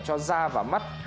cho da và mắt